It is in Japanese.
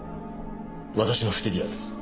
私の不手際です。